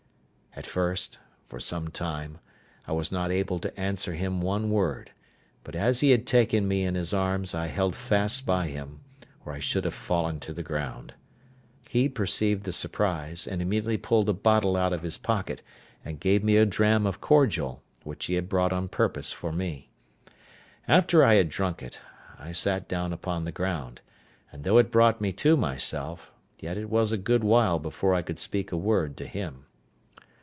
At first, for some time, I was not able to answer him one word; but as he had taken me in his arms I held fast by him, or I should have fallen to the ground. He perceived the surprise, and immediately pulled a bottle out of his pocket and gave me a dram of cordial, which he had brought on purpose for me. After I had drunk it, I sat down upon the ground; and though it brought me to myself, yet it was a good while before I could speak a word to him.